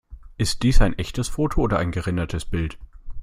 Ist dies ein echtes Foto oder ein gerendertes Bild?